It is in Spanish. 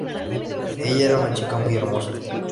Ella era una chica muy hermosa.